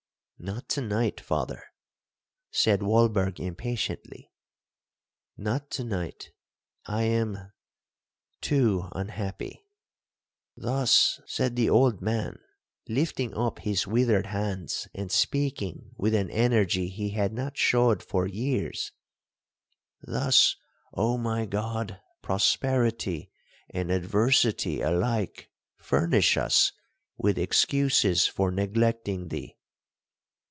'Not to night, father,' said Walberg impatiently; 'not to night; I am—too unhappy!'—'Thus,' said the old man, lifting up his withered hands, and speaking with an energy he had not showed for years,—'thus, O my God! prosperity and adversity alike furnish us with excuses for neglecting thee!'